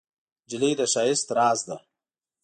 نجلۍ د ښایست راز ده.